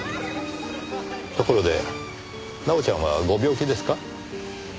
ところで奈緒ちゃんはご病気ですか？